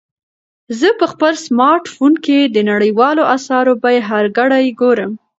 زه په خپل سمارټ فون کې د نړیوالو اسعارو بیې هره ګړۍ ګورم.